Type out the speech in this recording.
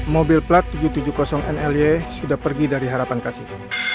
mobil plat tujuh ratus tujuh puluh nly sudah pergi dari harapan kasih